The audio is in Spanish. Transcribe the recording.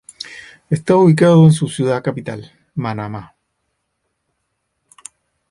Está ubicado en su ciudad capital, Manama.